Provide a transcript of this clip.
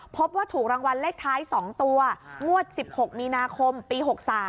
พบว่าถูกรางวัลเลขท้าย๒ตัวงวด๑๖มีนาคมปี๖๓